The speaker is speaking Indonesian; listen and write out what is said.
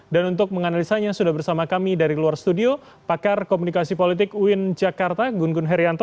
dan untuk menganalisanya sudah bersama kami dari luar studio pakar komunikasi politik uin jakarta gunggun herianto